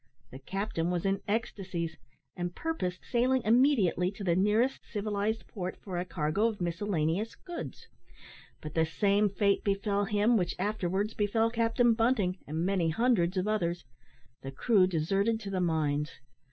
The captain was in ecstasies, and purposed sailing immediately to the nearest civilised port for a cargo of miscellaneous goods; but the same fate befell him which afterwards befell Captain Bunting, and many hundreds of others the crew deserted to the mines.